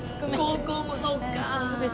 高校もそうか。